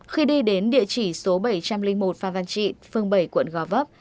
khi đi đến địa chỉ số bảy trăm linh một phan văn trị phương bảy quận gò vấp